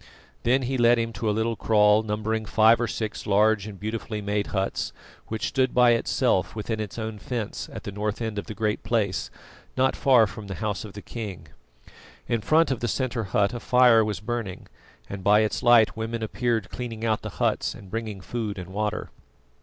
Then he led him to a little kraal numbering five or six large and beautifully made huts, which stood by itself, within its own fence, at the north end of the Great Place, not far from the house of the king. In front of the centre hut a fire was burning, and by its light women appeared cleaning out the huts and bringing food and water.